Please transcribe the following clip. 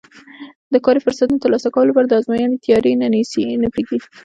د کاري فرصتونو ترلاسه کولو لپاره د ازموینو تیاري ته نه پرېږدي